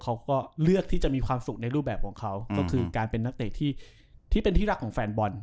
เขาก็เลือกที่จะมีความสุขในรูปแบบของเขาก็คือการเป็นนักเตะที่เป็นที่รักของแฟนบอล